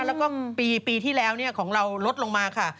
แล้วก็ปีที่แล้วของเราลดลงมาค่ะ